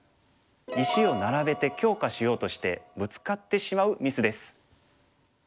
石を並べて強化しようとしてブツカってしまうミスです。